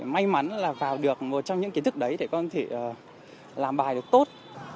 may mắn là vào được một trong những kiến thức đấy để con có thể làm bài được tốt